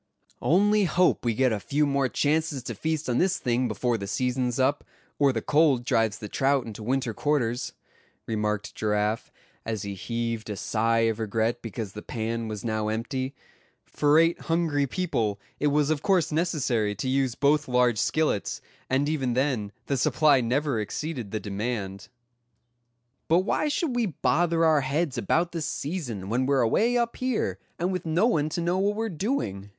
"Only hope we get a few more chances to feast on this thing before the season's up, or the cold drives the trout into winter quarters," remarked Giraffe, as he heaved a sigh of regret because the pan was now empty—for eight hungry people it was of course necessary to use both large skillets, and even then the supply never exceeded the demand. "But why should we bother our heads about the season, when we're away up here, and with no one to know what we're doing?"